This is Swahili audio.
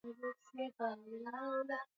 nyumba salama